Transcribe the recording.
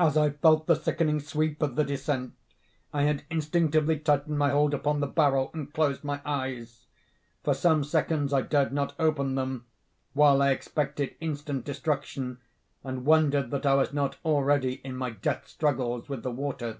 "As I felt the sickening sweep of the descent, I had instinctively tightened my hold upon the barrel, and closed my eyes. For some seconds I dared not open them—while I expected instant destruction, and wondered that I was not already in my death struggles with the water.